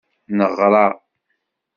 Neɣra.